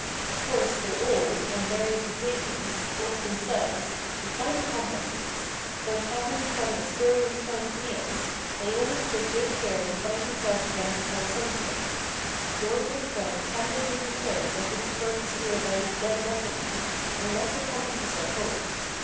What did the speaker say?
Of course they all, on various occasions, lost themselves, despite the compasses; but, having become experienced mountaineers, they always took good care to find themselves again before sunset. George and Fred candidly declared that they preferred to steer by "dead reckoning," and left their compasses at home.